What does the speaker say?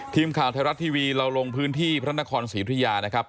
ทีมข่าวไทยรัฐทีวีเราลงพื้นที่พระนครศรีอุทยานะครับ